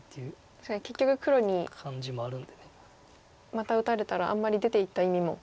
確かに結局黒にまた打たれたらあんまり出ていった意味も。